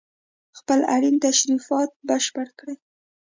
خپل اړين تشريفات بشپړ کړي